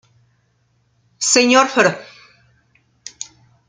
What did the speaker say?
Sr. Fr.